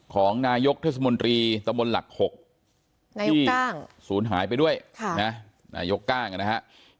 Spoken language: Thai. ของนายกเทศมนตรีตะมนต์หลัก๖ที่ศูนย์หายไปด้วยนายกก้างนะฮะ